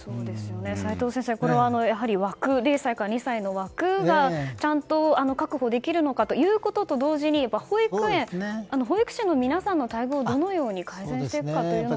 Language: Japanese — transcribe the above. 齋藤先生０歳から２歳の枠というのがちゃんと確保できるのかということと同時に保育士の皆さんの待遇をどのように改善していくかも。